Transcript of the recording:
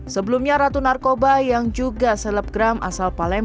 sebelumnya ratu narkoba yang juga selebgram asal palembang